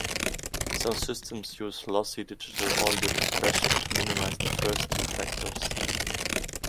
Some systems use "lossy" digital audio compression to minimize the first two factors.